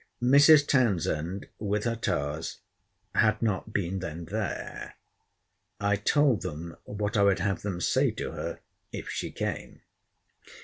Mrs. Townsend, with her tars, had not been then there. I told them what I would have them say to her, if she came.